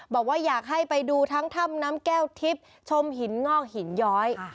บอกว่าอยากให้ไปดูทั้งถ้ำน้ำแก้วทิพย์ชมหินงอกหินย้อย